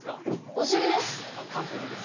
お尻です！